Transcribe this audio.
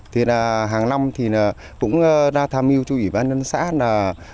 thì là hàng năm thì cũng đã tham mưu cho ủy ban nhân xã là